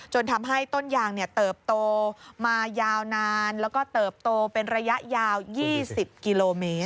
จนทำให้ต้นยางเติบโตมายาวนานแล้วก็เติบโตเป็นระยะยาว๒๐กิโลเมตร